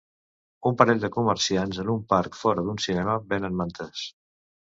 Un parell de comerciants en un parc fora d'un cinema venen mantes.